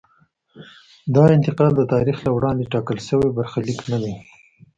دا انتقال د تاریخ له وړاندې ټاکل شوی برخلیک نه دی.